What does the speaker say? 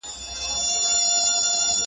له اوله خدای پیدا کړم له خزان سره همزولی `